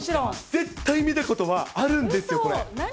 絶対見たことはあるんですよ、何？